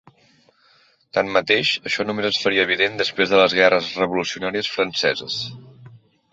Tanmateix, això només es faria evident després de les Guerres revolucionàries franceses.